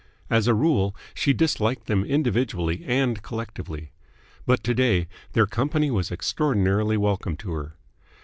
As a rule, she disliked them individually and collectively. But to day their company was extraordinarily welcome to her.